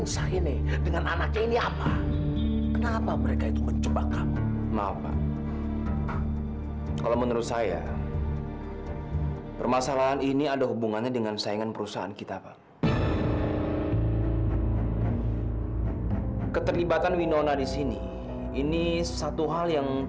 sampai jumpa di video selanjutnya